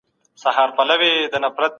که کورنۍ صمیمي وي، ماشوم نه وارخطا کېږي.